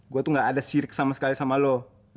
gue tuh gak ada syirik sama sekali sama lo